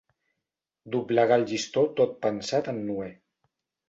Doblegar el llistó tot pensat en Noè.